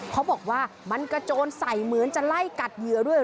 เขาบอกว่ามันกระโจนใส่เหมือนจะไล่กัดเหยื่อด้วย